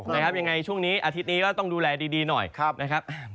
ยังไงช่วงนี้อาทิตย์นี้ก็ต้องดูแลดีหน่อยนะครับ